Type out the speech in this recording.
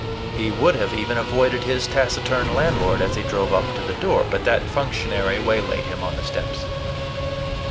He would have even avoided his taciturn landlord as he drove up to the door; but that functionary waylaid him on the steps.